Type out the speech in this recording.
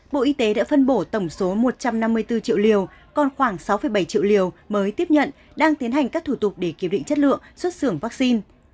bộ y tế đã phân bổ tổng số một trăm năm mươi bốn triệu liều còn khoảng sáu bảy triệu liều mới tiếp nhận đang tiến hành các thủ tục để kiểm định chất lượng xuất xưởng vaccine